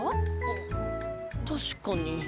あったしかに。